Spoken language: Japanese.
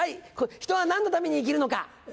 「人は何のために生きるのか」。